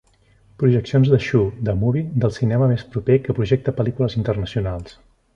Projeccions de Shoe the movie del cinema més proper que projecta pel·lícules internacionals.